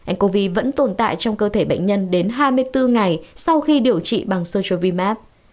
ncov vẫn tồn tại trong cơ thể bệnh nhân đến hai mươi bốn ngày sau khi điều trị bằng sochovimax